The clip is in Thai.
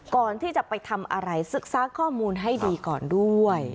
ก่อนที่จะไปทำอะไรศึกษาข้อมูลให้ดีก่อนด้วย